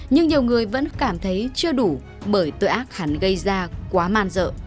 nhưng nhiều người vẫn cảm thấy chưa đủ bởi tội ác hắn gây ra quá màn rợ